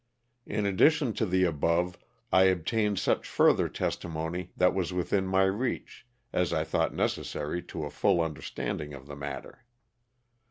In addition to the above I obtained such further testimony that was within my reach, as I thought necessary to a full understanding of the matter.